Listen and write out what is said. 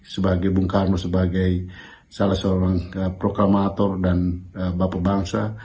sebagai bung karno sebagai salah seorang proklamator dan bapak bangsa